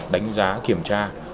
đánh giá kiểm tra